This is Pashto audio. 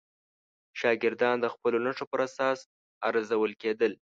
شاګردان د خپلو نښو پر اساس ارزول کېدل.